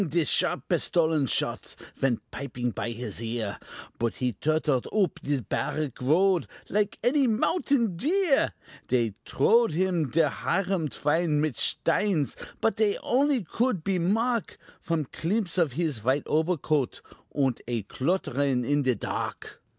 de sharp pistolen shots Vent pipin py his ear, Boot he tortled oop de barrick road Like any mountain deer: Dey trowed der Hiram Twine mit shteins, But dey only could be mark Von climpse of his vhite obercoadt, Und a clotterin in de tark.